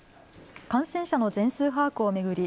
感染者の全数把握を巡り